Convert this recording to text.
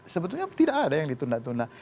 sebetulnya tidak ada yang ditunda tunda